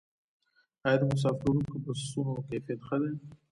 آیا د مسافروړونکو بسونو کیفیت ښه دی؟